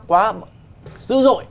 quá dữ dội